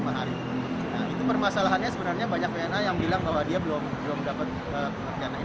nah itu permasalahannya sebenarnya banyak wna yang bilang bahwa dia belum dapat perdana ini